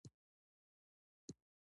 د پکتیکا په زیروک کې د کرومایټ نښې شته.